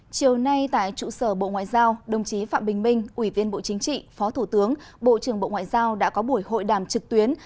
chiều nay tại trụ sở bộ ngoại giao đồng chí phạm bình minh ủy viên bộ chính trị phó thủ tướng bộ trưởng bộ ngoại giao đã có buổi hội đàm trực tuyến